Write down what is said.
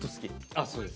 あそうです。